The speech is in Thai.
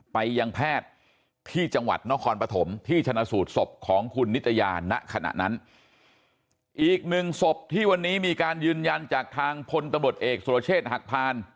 ไปยังแพทย์ที่จังหวัดนครปฐมที่ชนะสูตรศพของคุณนิตยาณขณะนั้นอีกหนึ่งศพที่วันนี้มีการยืนยันจากทางพลตำรวจเอกสุรเชษฐ์หักพาน